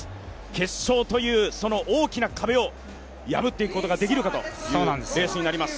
決勝という、その大きな壁を破っていくことができるかというレースになります。